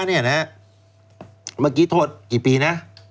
เมื่อกี้โทษกี่ปีนะ